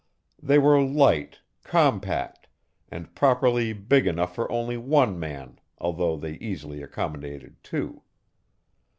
They were light, compact, and properly big enough for only one man, although they easily accommodated two.